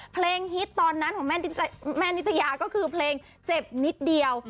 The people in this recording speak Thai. ฮิตตอนนั้นของแม่นิตยาก็คือเพลงเจ็บนิดเดียว